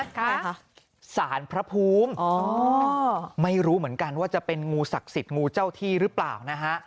ใครคะสารพระภูมิอ๋อไม่รู้เหมือนกันว่าจะเป็นงูศักดิ์สิทธิ์งูเจ้าที่หรือเปล่านะฮะ